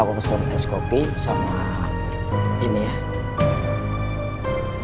aku pesen es kopi sama ini ya